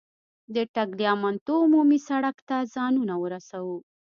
د ټګلیامنتو عمومي سړک ته ځانونه ورسوو.